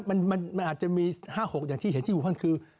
มันอาจจะมี๕๖อย่างที่เห็นที่บุคคลคือ